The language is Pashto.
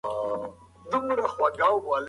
د ښوونځي مشران پیاوړي ګامونه اخلي.